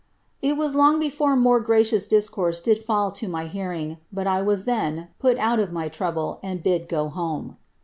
It was long before more gracious discourse did fall to my hearing, but I was then put out of my trouble, and bid ' go home.'